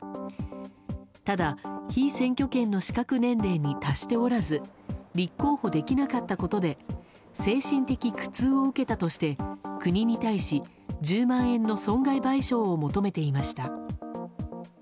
ただ、被選挙権の資格年齢に達しておらず立候補できなかったことで精神的苦痛を受けたとして国に対し１０万円の損害賠償を求めていました。